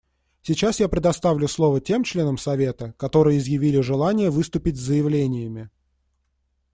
Сейчас я предоставлю слово тем членам Совета, которые изъявили желание выступить с заявлениями.